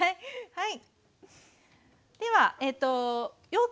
はい。